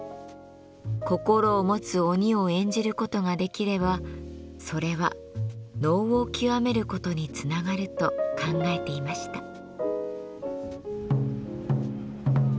心を持つ鬼を演じる事ができればそれは能を極める事につながると考えていました。